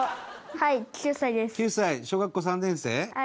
はい。